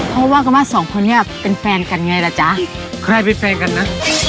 เพราะว่ากันว่าสองคนนี้เป็นแฟนกันไงล่ะจ๊ะใครเป็นแฟนกันนะ